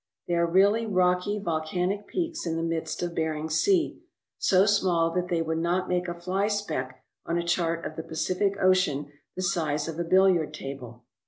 They are really rocky volcanic peaks in the midst of Bering Sea, so small that they would not make a fly speck on a chart of the Pacific Ocean the size of a billiard table.